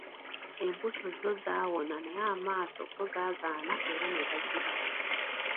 Embuto zo zaawona naye amaaso go gaagaana era ne gaziba.